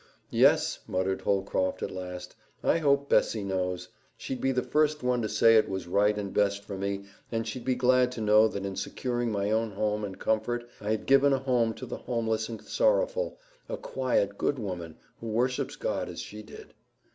"Yes," muttered Holcroft, at last. "I hope Bessie knows. She'd be the first one to say it was right and best for me, and she'd be glad to know that in securing my own home and comfort I had given a home to the homeless and sorrowful a quiet, good woman, who worships God as she did."